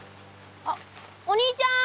あっお兄ちゃん！